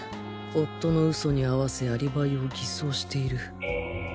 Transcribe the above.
夫の嘘に合わせアリバイを偽装している